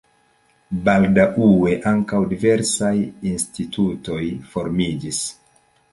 Baldaŭe ankaŭ diversaj institutoj formiĝis.